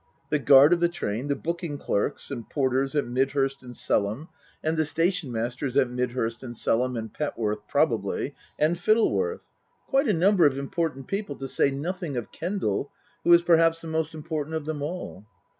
" The guard of the train, the booking clerks and porters at Midhurst and Selham, and the station masters Book II : Her Book 245 at Midhurst and Selham and Petworth (probably) and Fittleworth. Quite a number of important people, to say nothing of Kendal, who is perhaps the most important of them all."